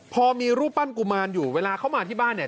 พอมีรูปปั้นกุมารอยู่เวลาเขามาที่บ้านเนี่ย